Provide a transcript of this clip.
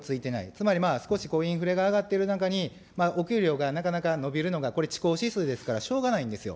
つまり、少しインフレが上がっている中に、お給料がなかなか伸びるのがこれ、遅行指数ですから、しょうがないんですよ。